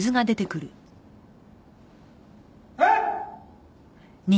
えっ！？